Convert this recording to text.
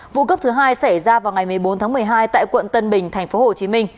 vụ cướp thứ hai xảy ra vào ngày một mươi bốn tháng một mươi hai tại quận tân bình tp hcm